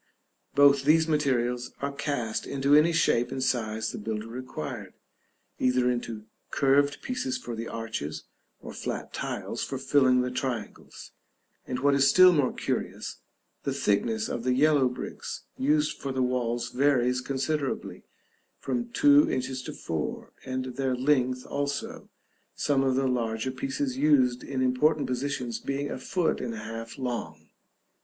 Both these materials are cast into any shape and size the builder required, either into curved pieces for the arches, or flat tiles for filling the triangles; and, what is still more curious, the thickness of the yellow bricks used for the walls varies considerably, from two inches to four; and their length also, some of the larger pieces used in important positions being a foot and a half long.